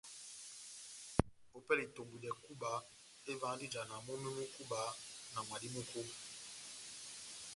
Ópɛlɛ ya itombwedɛ kúba, evahandi ijana momí mu kúba na mwadi mú kúba.